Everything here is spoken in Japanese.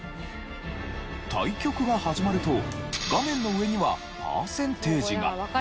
対局が始まると画面の上にはパーセンテージが。